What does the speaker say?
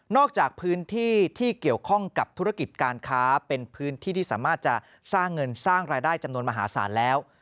จากพื้นที่ที่เกี่ยวข้องกับธุรกิจการค้าเป็นพื้นที่ที่สามารถจะสร้างเงินสร้างรายได้จำนวนมหาศาลแล้ว